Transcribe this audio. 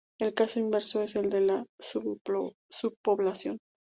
El caso inverso es el de la subpoblación.